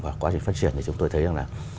và quá trình phát triển thì chúng tôi thấy rằng là